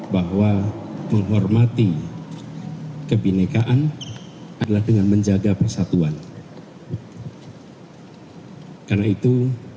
bahwa menghormati kebinekaan adalah dengan menjaga persatuan karena itu